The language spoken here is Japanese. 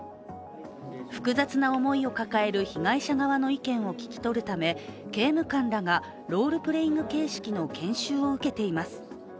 複雑な思いを抱える被害者側の意見を聞き取るため刑務官らがロールプレーイング形式の研修を受けています。